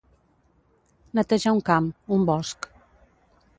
Netejar un camp, un bosc.